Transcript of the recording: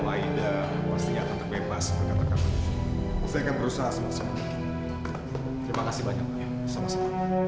aida itu kan sahabat aku jadi aku kenal banget sama dia